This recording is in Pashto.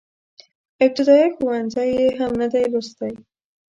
ابتدائيه ښوونځی يې هم نه دی لوستی.